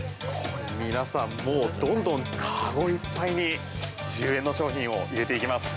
皆さん、もうどんどん籠いっぱいに１０円の商品を入れていきます。